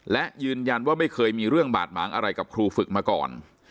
และยืนยันว่าไม่เคยมีเรื่องบาดหมางอะไรกับครูฝึกมาก่อน